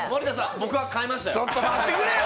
僕は買いましたよ。